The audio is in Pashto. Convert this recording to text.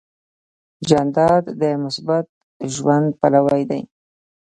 جانداد د مثبت ژوند پلوی دی.